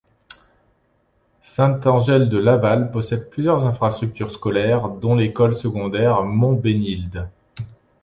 Sainte-Angèle-de-Laval possède plusieurs infrastructures scolaires dont l'École secondaire Mont-Bénilde.